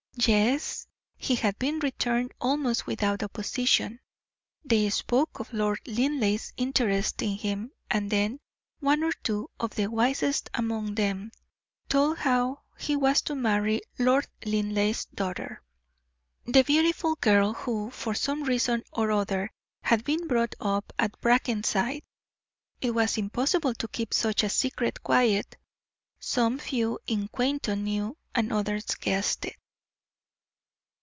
Yes, he had been returned almost without opposition. They spoke of Lord Linleigh's interest in him, and then one or two of the wisest among them told how he was to marry Lord Linleigh's daughter, the beautiful girl who, for some reason or other, had been brought up at Brackenside. It was impossible to keep such a secret quiet; some few in Quainton knew, and others guessed it.